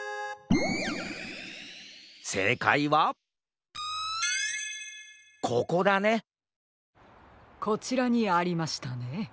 せいかいはここだねこちらにありましたね。